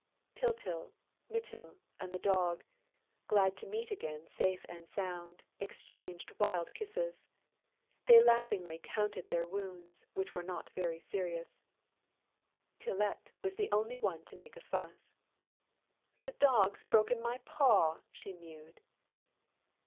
Tyltyl, Mytyl and the Dog, glad to meet again safe and sound, exchanged wild kisses. They laughingly counted their wounds, which were not very serious. Tylette was the only one to make a fuss: "The Dog's broken my paw!" she mewed.